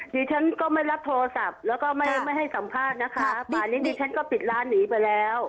ดิฉันก็ไม่รับโทรศัพท์แล้วก็ไม่ไม่ให้สัมภาษณ์นะคะบ่ายนี้ดิฉันก็ปิดร้านหนีไปแล้ว